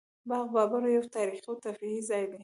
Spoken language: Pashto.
باغ بابر یو تاریخي او تفریحي ځای دی